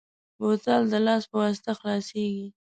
بوتل د لاس په واسطه خلاصېږي.